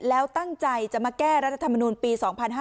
แล้วตั้งใจจะมาแก้รัฐธรรมนูลปี๒๕๕๙